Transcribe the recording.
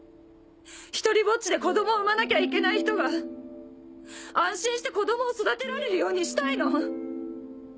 独りぼっちで子供を産まなきゃいけない人が安心して子供を育てられるようにしたいの。